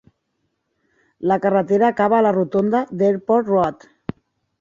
La carretera acaba a la rotonda d'Airport Road.